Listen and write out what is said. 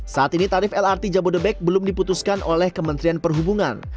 saat ini tarif lrt jabodebek belum diputuskan oleh kementerian perhubungan